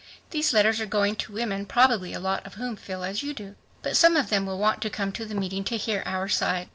These letters are going to women probably a lot of whom feel as you do. But some of them will want to come to the meeting to hear our side."